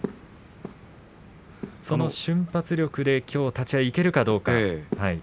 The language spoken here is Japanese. その瞬発力で立ち合いいけるかどうか。